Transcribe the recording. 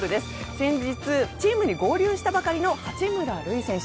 先日、チームに合流したばかりの八村塁選手。